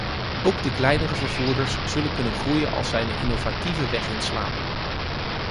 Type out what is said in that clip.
Ook de kleinere vervoerders zullen kunnen groeien als zij een innovatieve weg inslaan.